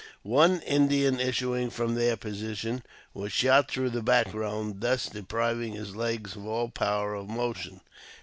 One Indian issuing from their position was shot through the backbone, thus depriving his legs of all power of motion.